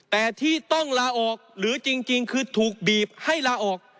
แต่ที่ต้องลาออกหรือจริงคือถูกบีบให้ลาออก